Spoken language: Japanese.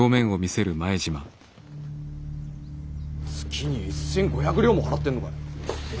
月に１千５００両も払ってんのか？